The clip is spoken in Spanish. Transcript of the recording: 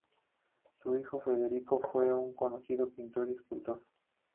Su hijo Federico fue un conocido pintor y escultor.